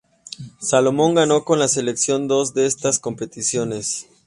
Salomón ganó con la selección dos de estas competiciones.